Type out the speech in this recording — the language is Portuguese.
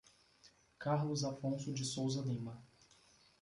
Carlos Afonso de Souza Lima